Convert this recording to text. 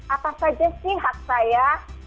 apa saja sih hak saya